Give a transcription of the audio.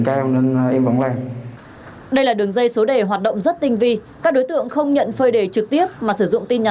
khi giao nhận tiền các đối tượng không nhận tại nhà